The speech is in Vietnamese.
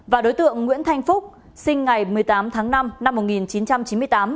và đối tượng nguyễn thanh phúc sinh ngày một mươi tám tháng năm năm một nghìn chín trăm chín mươi tám